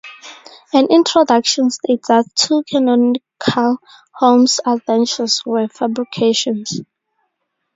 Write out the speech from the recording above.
An introduction states that two canonical Holmes adventures were fabrications.